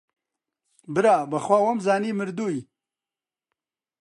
برا بەخوا وەمانزانی مردووی